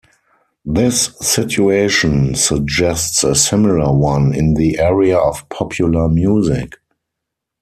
This situation suggests a similar one in the area of popular music.